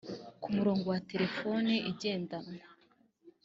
Ku murongo wa telefoni igendanwa